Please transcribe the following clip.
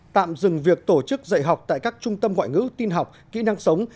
tạm dừng việc tổ chức dạy học tại các trung tâm ngoại ngữ tin học kỹ năng sống